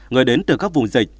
người đến từ các vùng dịch